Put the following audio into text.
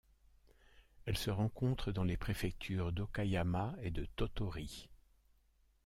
Elle se rencontre dans les préfectures d'Okayama et de Tottori.